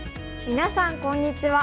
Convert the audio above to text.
みなさんこんにちは。